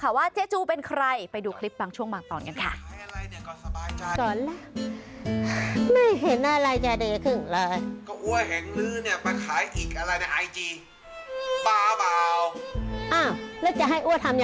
ว่าเจ๊จูเป็นใครไปดูคลิปบางช่วงบางตอนกันค่ะ